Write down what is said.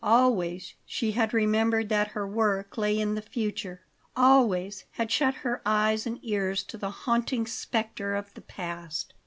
Always she had remembered that her work lay in the future; always had shut her eyes and ears to the haunting spectre of the past.